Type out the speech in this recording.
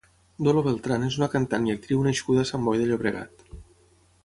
Dolo Beltrán és una cantant i actriu nascuda a Sant Boi de Llobregat.